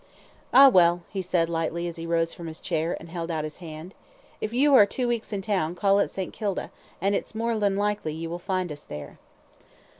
"Ah, well," he said, lightly, as he rose from his chair and held out his hand, "if you are two weeks in town, call at St. Kilda, and it's more than likely you will find us there."